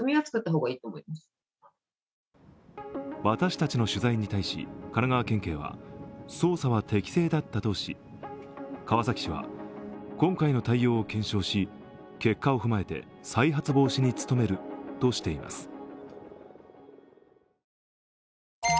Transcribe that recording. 私たちの取材に対し神奈川県警は、捜査は適正だったとし、川崎市は、今回の対応を検証し結果を踏まえて再発防止に努めるとしています。